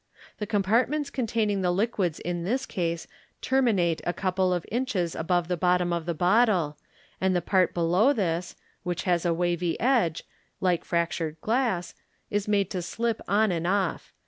The compart ments containing the liquids in this case terminate a couple of inches above the bottom of the bottle, and the part below this, which has a wavy edge, like fractured glass, is made to slip on and off.